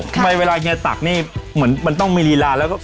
ทำไมเวลาเฮียตักนี่เหมือนมันต้องมีลีลาแล้วก็